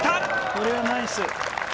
これはナイス。